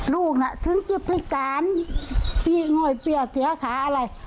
ลูกแน่ะซึงกิ๊ดพี่กานเปี๊ยะงอยเซียขาอะไร